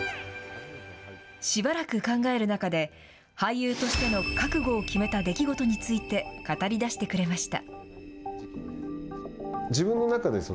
しばらく考える中で、俳優としての覚悟を決めた出来事について語りだしてくれました。